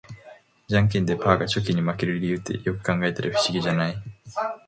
ジャンケンでパーがチョキに負ける理由って、よく考えたら不思議じゃない？